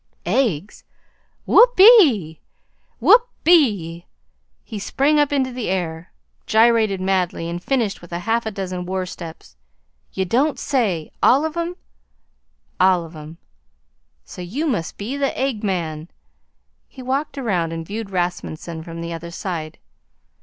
"Eggs! Whoopee! Whoopee!" He sprang up into the air, gyrated madly, and finished with half a dozen war steps. "You don't say all of 'em?" "All of 'em." "Say, you must be the Egg Man." He walked around and viewed Rasmunsen from the other side.